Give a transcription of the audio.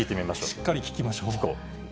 しっかり聞きましょう。